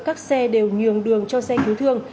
các xe đều nhường đường cho xe cứu thương